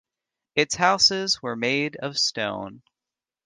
Its houses were made of stone.